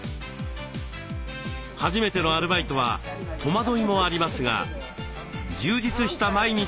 初めてのアルバイトは戸惑いもありますが充実した毎日を送っています。